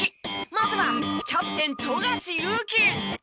まずはキャプテン富樫勇樹。